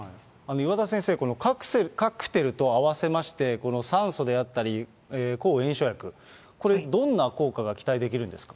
岩田先生、カクテルと併せまして、この酸素であったり、抗炎症薬、これ、どんな効果が期待できるんですか？